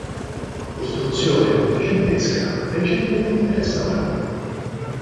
Costruzione ottocentesca recentemente restaurata.